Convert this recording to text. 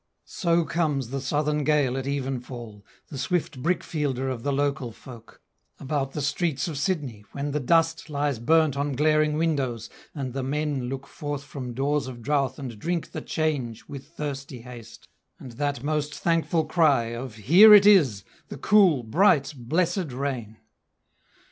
So comes the southern gale at evenfall (The swift brick fielder of the local folk), About the streets of Sydney, when the dust Lies burnt on glaring windows, and the men Look forth from doors of drouth and drink the change With thirsty haste, and that most thankful cry Of "Here it is the cool, bright, blessed rain!"